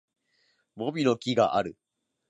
もみの木がある